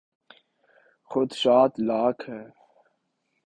خدشات لاحق ہیں۔